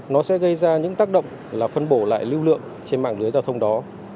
nó sẽ gây ra những tác động là phân bổ lại lưu lượng trên mạng lưới giao thông đó